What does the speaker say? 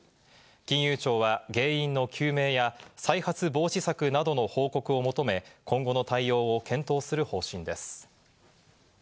金融庁は、原因の究明や再発防止策などの報告を求め、今後の対応を検討する方針です。